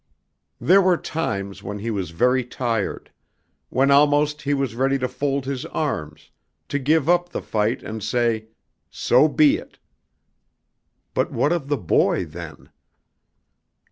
There were times when he was very tired. When almost he was ready to fold his arms, to give up the fight and say "So be it." But what of the boy then?